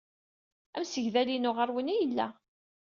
Amsegdal-inu ɣer-wen ay yella.